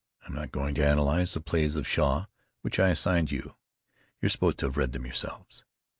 I'm not going to analyze the plays of Shaw which I assigned to you. You're supposed to have read them yourselves.